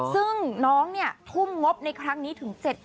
ซึ่งน้องเนี่ยทุ่มงบในครั้งนี้ถึง๗หลัก